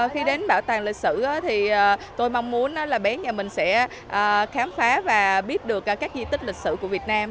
khi đến bảo tàng lịch sử thì tôi mong muốn là bến nhà mình sẽ khám phá và biết được các di tích lịch sử của việt nam